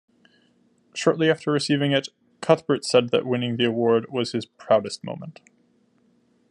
Shortly after receiving it, Cuthbert said that winning the award was his proudest moment.